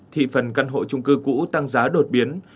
thì phần căn hộ chung cư cũ tăng giá đột biến